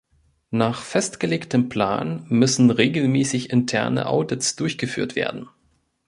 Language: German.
Nach festgelegtem Plan müssen regelmäßig interne Audits durchgeführt werden.